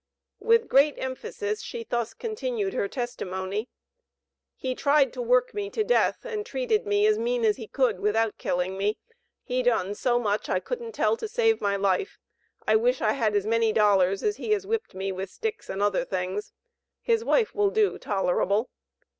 With great emphasis she thus continued her testimony: "He tried to work me to death, and treated me as mean as he could, without killing me; he done so much I couldn't tell to save my life. I wish I had as many dollars as he has whipped me with sticks and other things. His wife will do tolerable."